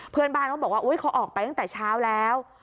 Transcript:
เพื่อนบ้านเขาบอกว่าอุ๊ยเขาออกไปตั้งแต่เช้าแล้ว